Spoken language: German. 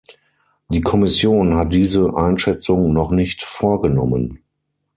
Die Kommission hat diese Einschätzung noch nicht vorgenommen.